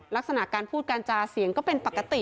ลักษณะการพูดการจาเสียงก็เป็นปกติ